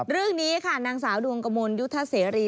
เรื่องนี้ค่ะนางสาวดวงกระมวลยุทธเสรี